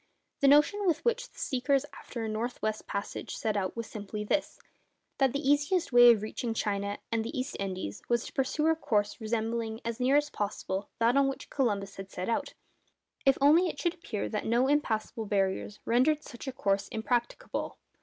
The notion with which the seekers after a north west passage set out was simply this, that the easiest way of reaching China and the East Indies was to pursue a course resembling as near as possible that on which Columbus had set out—if only it should appear that no impassable barriers rendered such a course impracticable.